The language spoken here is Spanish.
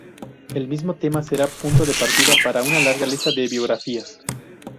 El mismo tema será punto de partida para una larga lista de biografías.